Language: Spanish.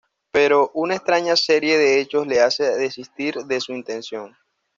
Pero una extraña serie de hechos le hace desistir de su intención.